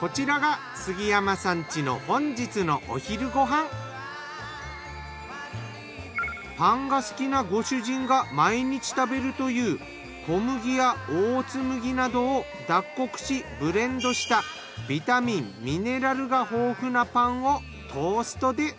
こちらがパンが好きなご主人が毎日食べるという小麦やオーツ麦などを脱穀しブレンドしたビタミンミネラルが豊富なパンをトーストで。